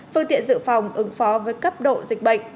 phương tiện dự phòng ứng phó với cấp độ dịch bệnh